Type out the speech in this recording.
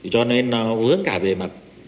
cho nên nó vướng cả về mặt